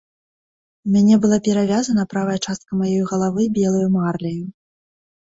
У мяне была перавязана правая частка маёй галавы белаю марляю.